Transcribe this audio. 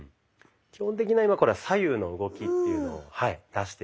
基本的な今これ左右の動きっていうのを出しています。